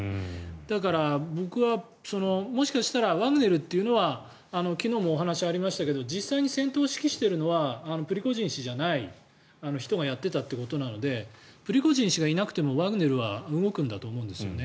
だから僕はもしかしたらワグネルというのは昨日も話がありましたが実際に戦闘を指揮しているのはプリゴジンじゃない人がやっていたということなのでプリゴジン氏がいなくてもワグネルは動くんだと思うんですよね。